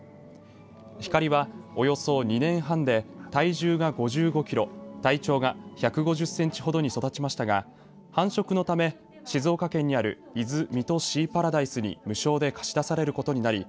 ひかりは、およそ２年半で体重が５５キロ体長が１５０センチほどに育ちましたが繁殖のため静岡県にある伊豆・三津シーパラダイスに無償で貸し出されることになり